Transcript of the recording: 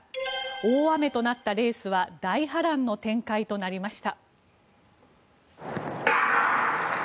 大雨となったレースは大波乱の展開となりました。